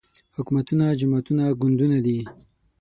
حکومتونه جماعتونه ګوندونه دي